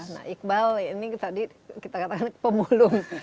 nah iqbal ini tadi kita katakan pemulung